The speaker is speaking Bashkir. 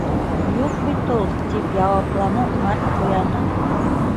Юҡ бит ул! —тип яуапланы Март Ҡуяны.